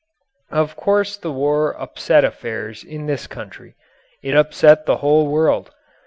Of course the war upset affairs in this country. It upset the whole world.